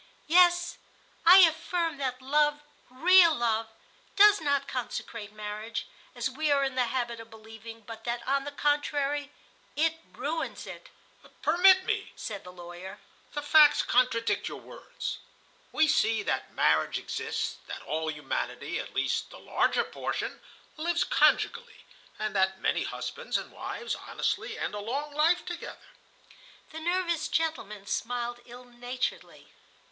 "Yes, I affirm that love, real love, does not consecrate marriage, as we are in the habit of believing, but that, on the contrary, it ruins it." "Permit me," said the lawyer. "The facts contradict your words. We see that marriage exists, that all humanity—at least the larger portion—lives conjugally, and that many husbands and wives honestly end a long life together." The nervous gentleman smiled ill naturedly.